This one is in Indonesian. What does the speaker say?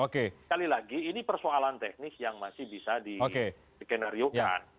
sekali lagi ini persoalan teknis yang masih bisa dikenariokan